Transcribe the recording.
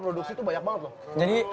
produksi tuh banyak banget loh